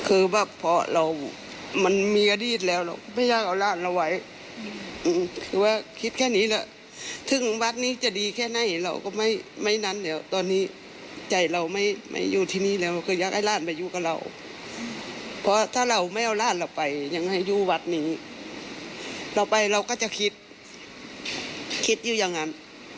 คือแบบเพราะเรามันมีอดีตแล้วเราไม่อยากเอาร่านเราไว้ถือว่าคิดแค่นี้แหละถึงวัดนี้จะดีแค่ไหนเราก็ไม่ไม่นั้นแล้วตอนนี้ใจเราไม่อยู่ที่นี่แล้วคืออยากให้ร่านไปอยู่กับเราเพราะถ้าเราไม่เอาร่านเราไปยังให้อยู่วัดนี้เราไปเราก็จะคิดคิดอยู่อย่างนั้น